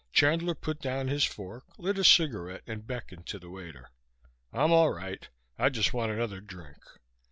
Chandler put down his fork, lit a cigarette and beckoned to the waiter. "I'm all right. I just want another drink."